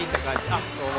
あっどうも。